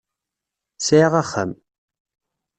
Sɛiɣ axxam